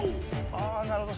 ああなるほど。